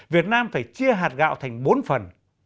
việt nam phải chia hạt gạo thành bốn phần